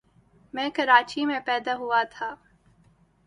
میں کراچی میں پیدا ہوا تھا۔